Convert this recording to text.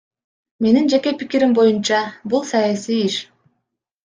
Менин жеке пикирим боюнча, бул саясий иш.